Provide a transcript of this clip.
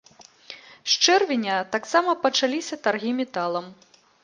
З чэрвеня таксама пачаліся таргі металам.